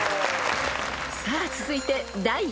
［さあ続いて］